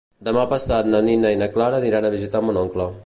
Demà passat na Nina i na Clara aniran a visitar mon oncle.